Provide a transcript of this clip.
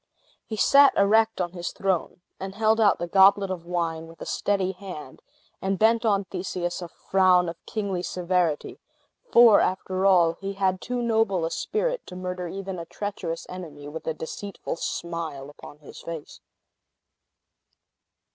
He sat erect on his throne, and held out the goblet of wine with a steady hand, and bent on Theseus a frown of kingly severity; for, after all, he had too noble a spirit to murder even a treacherous enemy with a deceitful smile upon his face.